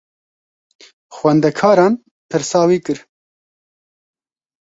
Xwendekaran pirsa wî kir.